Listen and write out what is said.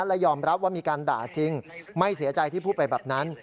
และยอมรับว่ามีการด่าจริงไม่เสียใจที่พูดไปแบบนั้น